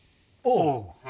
おう。